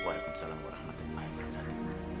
waalaikumsalam warahmatullahi wabarakatuh